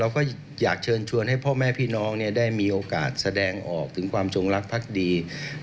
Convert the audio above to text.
ไม่จำเป็นต้องมาแสดงความจงรักภักดี